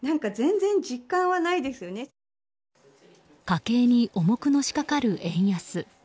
家計に重くのしかかる円安。